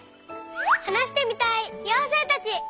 はなしてみたいようせいたち！